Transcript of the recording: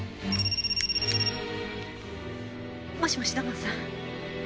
もしもし土門さん。